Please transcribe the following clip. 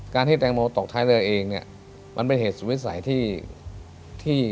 ที่แตงโมตกท้ายเรือเองเนี่ยมันเป็นเหตุสุดวิสัยที่